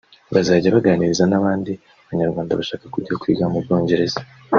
bazajya baganiriza n’abandi Banyarwanda bashaka kujya kwiga mu Bwongereza